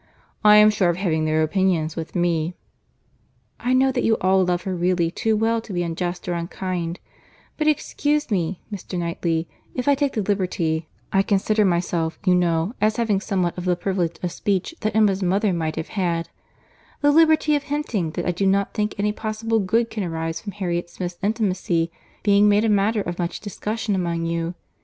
I am sure of having their opinions with me." "I know that you all love her really too well to be unjust or unkind; but excuse me, Mr. Knightley, if I take the liberty (I consider myself, you know, as having somewhat of the privilege of speech that Emma's mother might have had) the liberty of hinting that I do not think any possible good can arise from Harriet Smith's intimacy being made a matter of much discussion among you.